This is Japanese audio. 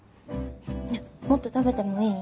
ねぇもっと食べてもいい？